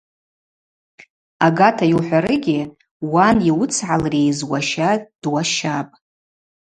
Агата йухӏварыгьи, уан йуыцгӏалрийыз уаща дуащапӏ.